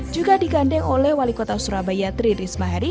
juga digandeng oleh wali kota surabaya tririsma hari ini